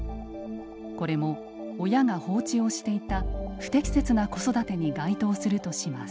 これも親が放置をしていた不適切な子育てに該当するとします。